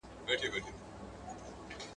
د باد له بېخي نرۍ څپې سره ځان بدلوي